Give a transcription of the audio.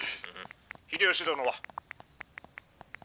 「秀吉殿は？」。